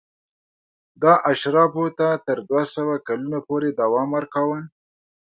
دا اشرافو تر دوه سوه کلونو پورې دوام ورکاوه.